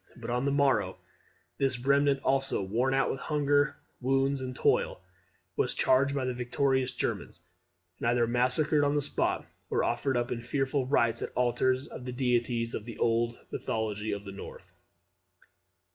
But on the morrow this remnant also, worn out with hunger, wounds, and toil, was charged by the victorious Germans, and either massacred on the spot, or offered up in fearful rites at the alters of the deities of the old mythology of the North.